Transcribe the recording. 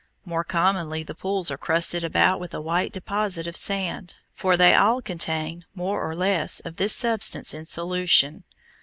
More commonly the pools are crusted about with a white deposit of salt, for they all contain more or less of this substance in solution.